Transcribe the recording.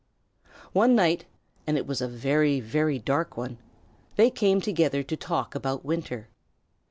One night, and it was a very, very dark one, they came together to talk about winter.